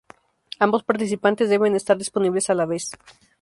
Ambos participantes deben estar disponibles a la vez.